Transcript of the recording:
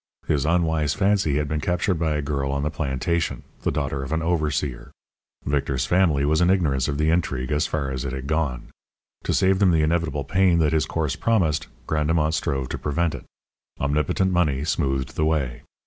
His unwise fancy had been captured by a girl on the plantation the daughter of an overseer. Victor's family was in ignorance of the intrigue, as far as it had gone. To save them the inevitable pain that his course promised, Grandemont strove to prevent it. Omnipotent money smoothed the way.